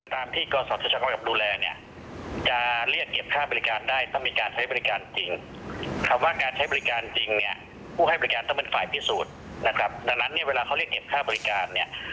ก็ต้องเป็นฝ่ายพิสูจน์นะครับดังนั้นเนี่ยเวลาเขาเรียกเก็บค่าบริการเนี่ย